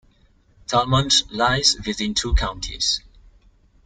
Tallmadge lies within two counties.